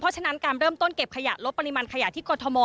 เพราะฉะนั้นการเริ่มต้นเก็บขยะลดปริมาณขยะที่กรทม